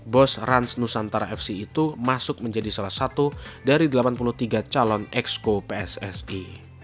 bos rans nusantara fc itu masuk menjadi salah satu dari delapan puluh tiga calon exco pssi